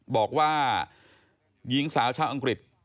บอกว่าหญิงสาวชาวอังกฤษ